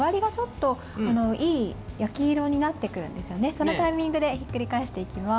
そのタイミングでひっくり返していきます。